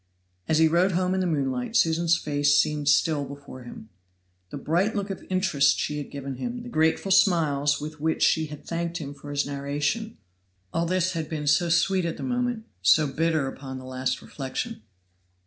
As he rode home in the moonlight Susan's face seemed still before him. The bright look of interest she had given him, the grateful smiles with which she had thanked him for his narration all this had been so sweet at the moment, so bitter upon the least reflection.